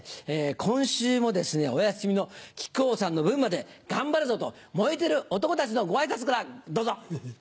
今週もお休みの木久扇さんの分まで頑張るぞ！と燃えてる男たちのご挨拶からどうぞ。